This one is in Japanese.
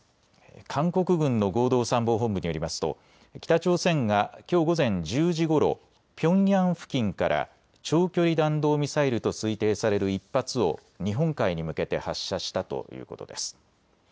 韓国軍の合同参謀本部によりますと北朝鮮がきょう午前１０時ごろ、ピョンヤン付近から長距離弾道ミサイルと推定される１発を日本海に向けて発射したということです。